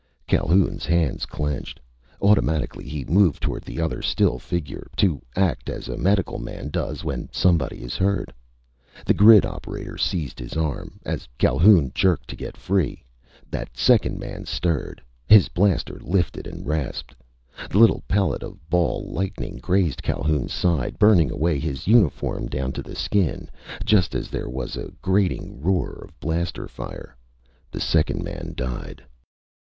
Calhoun's hands clenched. Automatically, he moved toward the other still figure, to act as a medical man does when somebody is hurt. The grid operator seized his arm. As Calhoun jerked to get free, that second man stirred His blaster lifted and rasped. The little pellet of ball lightning grazed Calhoun's side, burning away his uniform down to the skin, just as there was a grating roar of blaster fire. The second man died.